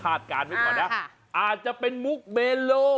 อ่าจะเป็นมุกแบโล